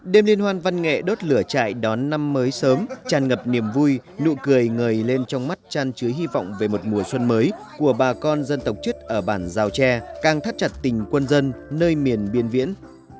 đêm liên hoan văn nghệ đốt lửa trại đón năm mới sớm tràn ngập niềm vui nụ cười người lên trong mắt chăn chứa hy vọng về một mùa xuân mới của bà con dân tộc chất ở bản giao tre càng thắt chặt tình quân dân nơi miền biên viễn